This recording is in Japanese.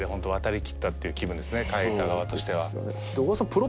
書いた側としては。